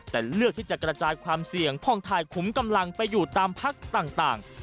แต่เลือกที่จะกระจายความเสี่ยงพ่องถ่ายขุมกำลังไปอยู่ตามพักต่าง